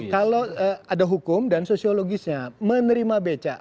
kalau ada hukum dan sosiologisnya menerima becak